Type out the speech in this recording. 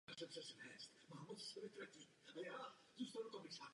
Několik desítek let měli návrat přímo zakázaný.